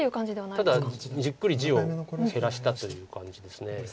ただじっくり地を減らしたという感じです。